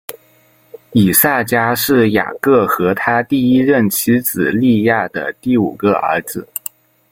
以萨迦是雅各和他第一任妻子利亚的第五个儿子。